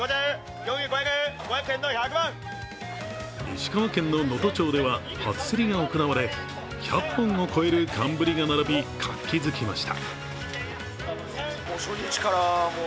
石川県の能登町では初競りが行われ１００本を超える寒ぶりが並び活気づきました。